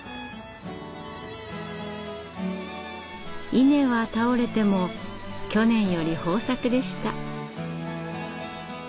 稲は倒れても去年より豊作でした。